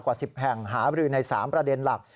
กว่า๑๐แห่งหาบรือใน๓ประเด็นหลัก